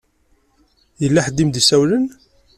Yella ḥedd i m-d-isawlen.